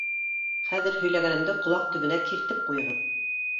— Хәҙер һөйләгәнемде ҡолаҡ төбөнә киртеп ҡуйығыҙ.